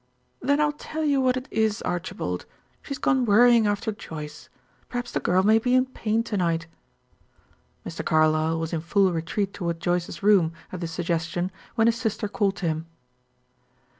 "Then I'll tell you what it is, Archibald; she's gone worrying after Joyce. Perhaps the girl may be in pain to night." Mr. Carlyle was in full retreat toward Joyce's room, at this suggestion, when his sister called to him.